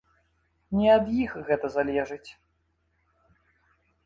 Не ад іх гэта залежыць.